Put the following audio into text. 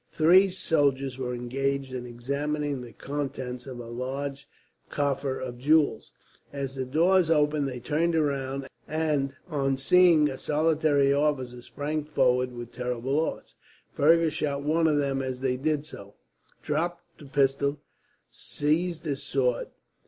Three soldiers were engaged in examining the contents of a large coffer of jewels. As the door opened they turned round and, on seeing a solitary officer, sprang forward with terrible oaths. Fergus shot one of them as they did so, dropped the pistol, and seized his sword.